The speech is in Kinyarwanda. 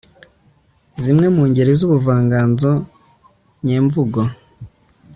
zimwe mu ngeri z'ubuvanganzo nyemvugo